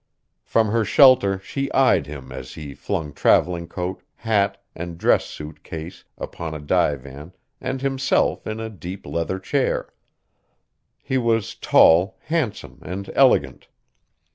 From her shelter she eyed him as he flung travelling coat, hat, and dress suit case upon a divan and himself in a deep leather chair. He was tall, handsome, and elegant.